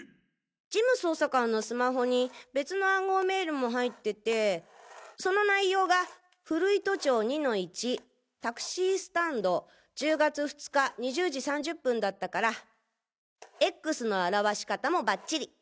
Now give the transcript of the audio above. ジム捜査官のスマホに別の暗号メールも入っててその内容が古糸町２の１タクシースタンド１０月２日２０時３０分だったから「Ｘ」の表し方もバッチリ！